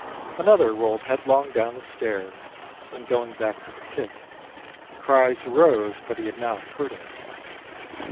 Another rolled headlong down the stairs, when going back to the pit : cries arose, but he had not hurt himself.